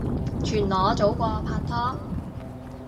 全裸早過拍拖